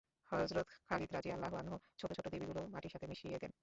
হযরত Khalid রাযিয়াল্লাহু আনহু ছোট ছোট দেবীগুলোও মাটির সাথে মিশিয়ে দেন।